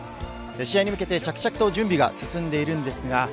試合に向けて着々と準備が進んでいます。